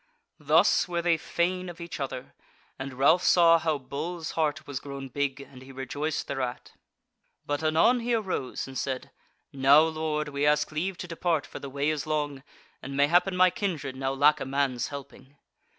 Thus were they fain of each other, and Ralph saw how Bull's heart was grown big, and he rejoiced thereat. But anon he arose and said: "Now, Lord, we ask leave to depart for the way is long, and mayhappen my kindred now lack a man's helping."